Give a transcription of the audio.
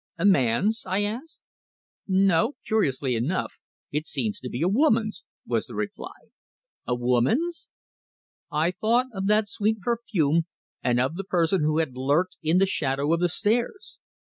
"A man's?" I asked. "No; curiously enough, it seems to be a woman's," was the reply. "A woman's!" I thought of that sweet perfume, and of the person who had lurked in the shadow of the stairs!